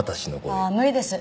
ああ無理です。